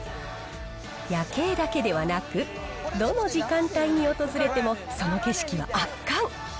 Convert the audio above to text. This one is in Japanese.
夜景だけではなく、どの時間帯に訪れても、その景色は圧巻。